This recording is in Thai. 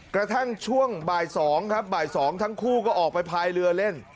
กระทั่งช่วงบ่าย๒ครับบ่าย๒ทั้งคู่ก็ออกไปพายเรือเล่น